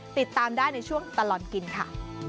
ติดตามได้ในช่วงตลอดกินค่ะ